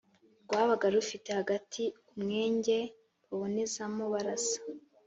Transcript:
rwabaga rufite hagati umwenge babonezamo barasa.